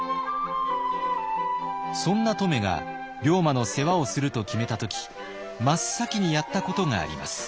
そんな乙女が龍馬の世話をすると決めた時真っ先にやったことがあります。